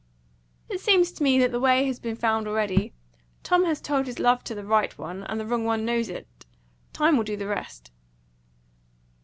"It seems to me that the way has been found already. Tom has told his love to the right one, and the wrong one knows it. Time will do the rest."